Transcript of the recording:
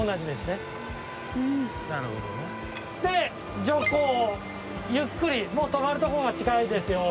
で徐行ゆっくりもう止まるとこが近いですよ。